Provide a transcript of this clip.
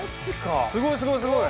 すごいすごいすごい！